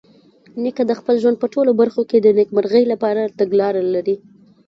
نیکه د خپل ژوند په ټولو برخو کې د نیکمرغۍ لپاره تګلاره لري.